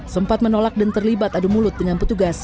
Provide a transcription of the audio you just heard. sempat menolak dan terlibat adu mulut dengan petugas